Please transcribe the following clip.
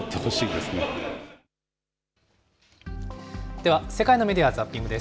では世界のメディア・ザッピングです。